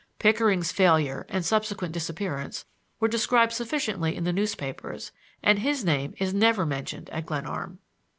Pickering's failure and subsequent disappearance were described sufficiently in the newspapers and his name is never mentioned at Glenarm.